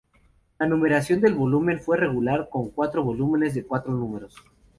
La numeración del volumen fue regular, con cuatro volúmenes de cuatro números.